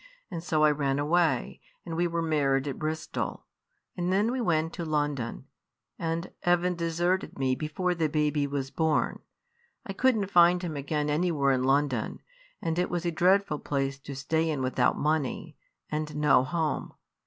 And so I ran away, and we were married at Bristol; and then we went to London; and Evan deserted me before baby was born. I couldn't find him again anywhere in London; and it was a dreadful place to stay in without money, and no home.